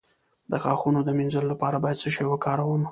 د غاښونو د مینځلو لپاره باید څه شی وکاروم؟